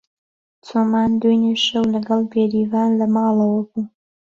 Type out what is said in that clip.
چۆمان دوێنێ شەو لەگەڵ بێریڤان لە ماڵەوە بوو.